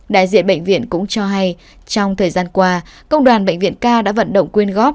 đại diện bệnh việt cũng cho hay trong thời gian qua công đoàn bệnh việt ca đã vận động quyên góp